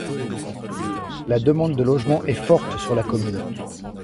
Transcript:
La demande de logement est forte sur la commune.